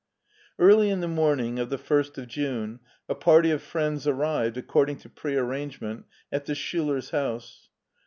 Early in the morning of the first of June a party of friends arrived, according to pre arrangement, at the Schulers' house.